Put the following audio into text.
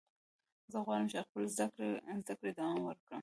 زه غواړم چې خپلې زده کړې دوام ورکړم.